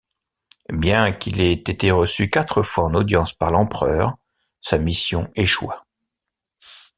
Bien qu’il ait été reçu quatre fois en audience par l’Empereur, sa mission échoua.